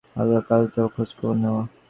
হালকা কাজ দেওয়া, খোঁজখবর নেওয়া।